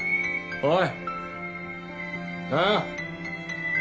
おい！